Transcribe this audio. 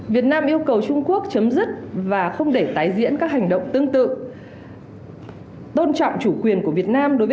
việt nam yêu cầu trung quốc chấm dứt và không để tái diễn các hành động tương tự tôn trọng chủ quyền của việt nam đối với